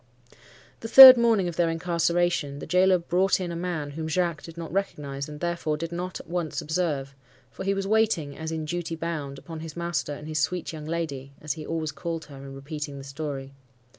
"The third morning of their incarceration, the gaoler brought in a man whom Jacques did not recognize, and therefore did not at once observe; for he was waiting, as in duty bound, upon his master and his sweet young lady (as he always called her in repeating the story).